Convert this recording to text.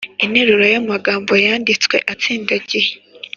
Interuro y ‘amagambo yanditse atsindagiye